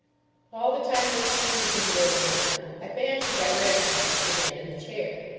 All the time this scene had been going on, I fancied I recognised the man in the chair.